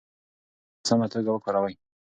مستعار نوم په سمه توګه وکاروه.